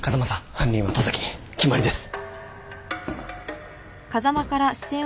犯人は十崎決まりです。